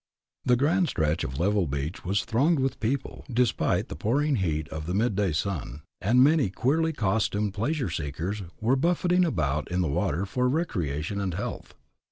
The grand stretch of level beach was thronged with people, despite the pouring heat of the midday sun, and many queerly costumed pleasure seekers were buffeting about in the water for recreation and health.